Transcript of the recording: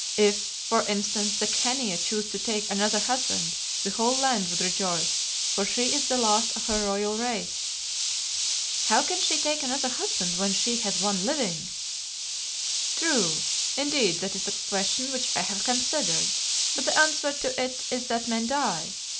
If, for instance, the Khania chose to take another husband the whole land would rejoice, for she is the last of her royal race." "How can she take another husband when she has one living?" "True; indeed that is a question which I have considered, but the answer to it is that men die.